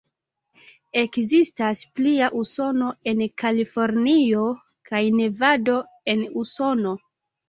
Ekzistas plia Usono en Kalifornio kaj Nevado, en Usono.